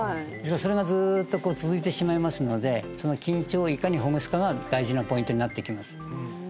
それがずっとこう続いてしまいますのでその緊張をいかにほぐすかが大事なポイントになってきます